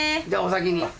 じゃあお先に。